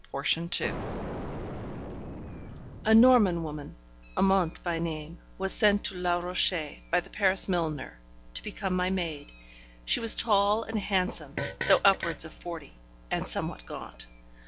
Portion 2 A Norman woman, Amante by name, was sent to Les Rochers by the Paris milliner, to become my maid. She was tall and handsome, though upwards of forty, and somewhat gaunt.